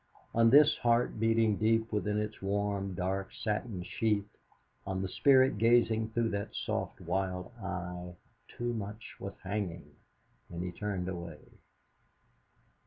On this heart beating deep within its warm, dark satin sheath, on the spirit gazing through that soft, wild eye, too much was hanging, and he turned away.